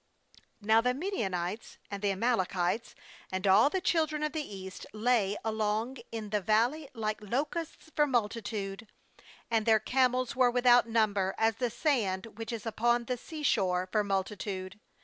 12Now the Midianites and 302 JUDGES 83 the Amalekites and all the children of the east lay along in the valley like locusts for multitude; and their camels were without number, as the sand which is upon the sea shore for multi tude.